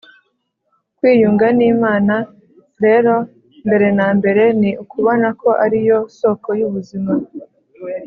kwiyunga n’imana rero mbere na mbere ni ukubona ko ari yo soko y’ubuzima